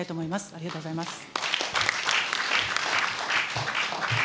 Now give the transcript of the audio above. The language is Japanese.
ありがとうございます。